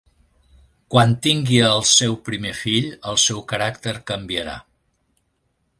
Quan tingui al seu primer fill, el seu caràcter canviarà.